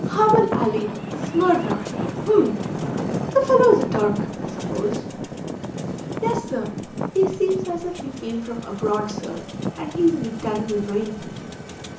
"'Hamil Ali, Smyrna.' Hum! The fellow is a Turk, I suppose." "Yes, sir. He seems as if he came from abroad, sir. And he's in a terrible way."